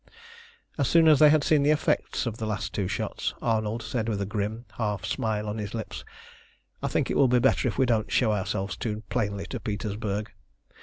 As soon as they had seen the effects of the last two shots, Arnold said with a grim, half smile on his lips "I think it will be better if we don't show ourselves too plainly to Petersburg.